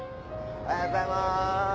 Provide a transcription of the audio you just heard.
おはようございます。